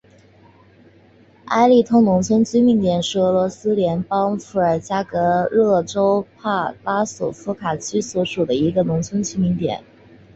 埃利通农村居民点是俄罗斯联邦伏尔加格勒州帕拉索夫卡区所属的一个农村居民点。